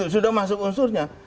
sudah masuk unsurnya